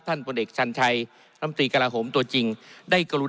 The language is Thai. ท่านบัลเกกชาญชัยนำตรีกระหลาโหมตัวจริงเหมือนถามมุมตัวจริง